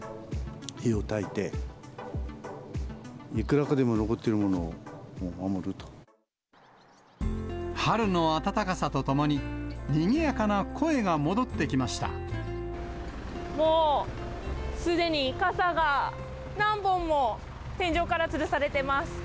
火をたいて、いくらかでも残って春の暖かさとともに、にぎやもうすでに、傘が何本も天井からつるされています。